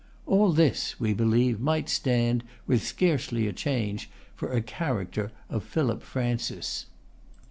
All this, we believe, might stand, with scarcely any change, for a character of Philip Francis.